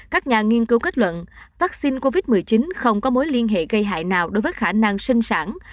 các nhà nghiên cứu kết luận vaccine covid một mươi chín không có mối liên hệ gây hại nào đối với khả năng sinh sản